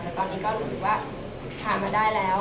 แต่ตอนนี้ก็รู้สึกว่าผ่านมาได้แล้ว